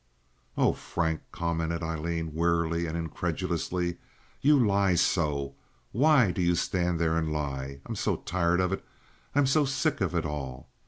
"Oh, Frank," commented Aileen, wearily and incredulously, "you lie so! Why do you stand there and lie? I'm so tired of it; I'm so sick of it all.